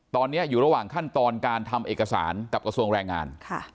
ตอนนี้อยู่ระหว่างขั้นตอนการทำเอกสารกับกระทรวงแรงงาน